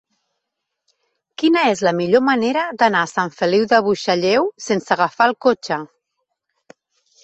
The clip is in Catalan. Quina és la millor manera d'anar a Sant Feliu de Buixalleu sense agafar el cotxe?